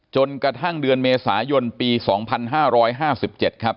จนกระทั่งเดือนเมษายนปี๒๕๕๗ครับ